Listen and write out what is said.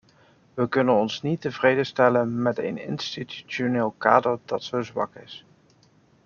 We kunnen ons niet tevreden stellen met een institutioneel kader dat zo zwak is.